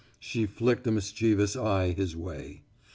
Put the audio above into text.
She flicked a mischievous eye his way.